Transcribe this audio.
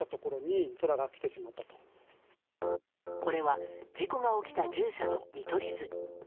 これは事故が起きた獣舎の見取り図。